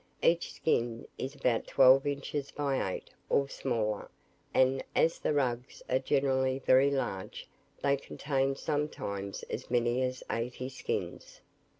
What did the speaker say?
Each skin is about twelve inches by eight, or smaller; and as the rugs are generally very large, they contain sometimes as many as eighty skins.